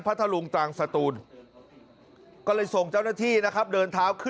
หาวหาวหาวหาวหาวหาวหาวหาวหาว